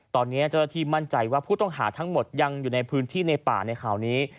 ตอนนี้เจ้าหน้าที่มั่นใจว่าผู้ต้องหาทั้งหมดยังอยู่ในพื้นที่ในป่าในข่าวนี้